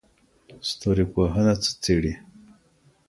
ستوري پوهنه څه څېړي؟